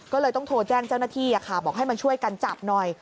ก็เลยต้องโทรแจ้งเจ้าหน้าที่บอกให้มาช่วยกันจับหน่อย